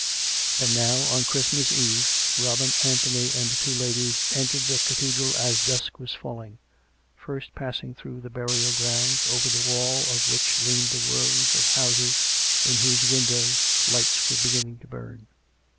And now, on Christmas Eve, Robin, Anthony and the two ladies entered the Cathedral as dusk was falling — first passing through the burial ground, over tlie wall of which leaned the rows of houses in whose windows lights were beginning to burn.